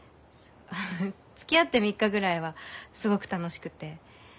つきあって３日ぐらいはすごく楽しくて。